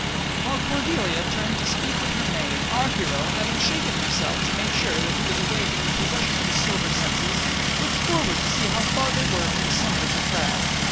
While Cordelia turned to speak with her maid, our hero, having shaken himself to make sure that he was awake and in possession of his sober senses, looked forward to see how far they were from the summit of the crag.